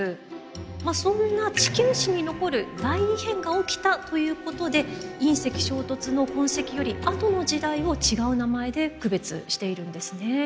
まあそんな地球史に残る大異変が起きたということで隕石衝突の痕跡よりあとの時代を違う名前で区別しているんですね。